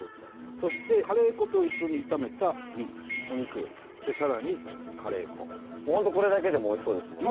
そしてカレー粉と一緒に炒めたミンチでさらにカレー粉もうホントこれだけでもおいしそうですもんね